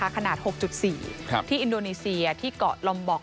ขนาด๖๔ที่อินโดนีเซียที่เกาะลอมบอก